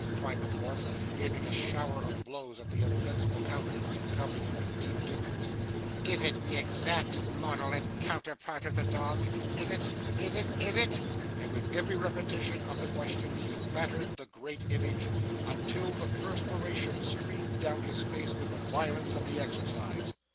cried the dwarf, aiming a shower of blows at the insensible countenance, and covering it with deep dimples. 'Is it the exact model and counterpart of the dog is it is it is it?' And with every repetition of the question, he battered the great image, until the perspiration streamed down his face with the violence of the exercise.